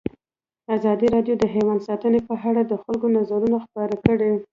ازادي راډیو د حیوان ساتنه په اړه د خلکو نظرونه خپاره کړي.